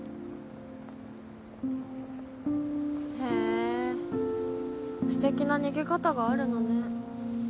へぇすてきな逃げ方があるのね